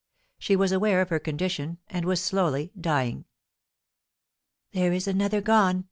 She was aware of her condition, and was slowly dying. "There is another gone!"